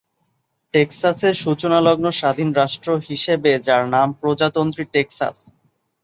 টেক্সাসের সূচনালগ্ন স্বাধীন রাষ্ট্র হিসেবে যার নাম প্রজাতন্ত্রী টেক্সাস।